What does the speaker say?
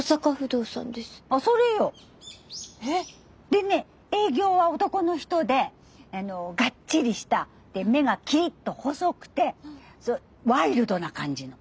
でね営業は男の人でガッチリしたで目がキリッと細くてワイルドな感じの。